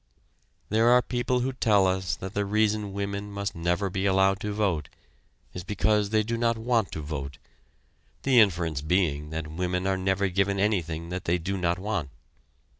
There are people who tell us that the reason women must never be allowed to vote is because they do not want to vote, the inference being that women are never given anything that they do not want.